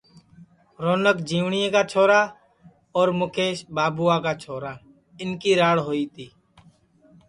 رونک رجیوٹؔیں چھورا اور مُکیش بابوا کا چھورا اِن کی راڑ ہوئی تی